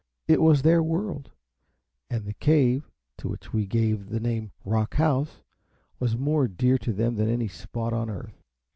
It was their world, and the cave, to which we gave the name Rock House, was more dear to them than any spot on the earth.